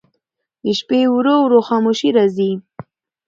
د شپې ورو ورو خاموشي راځي.